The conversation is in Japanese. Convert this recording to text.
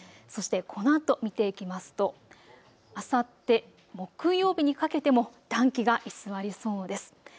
そしてこのあと見ていきますとあさって木曜日にかけても暖気が居座りそうです。